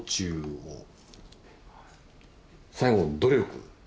最後「努力」。